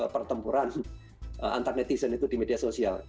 pertempuran antar netizen itu di media sosial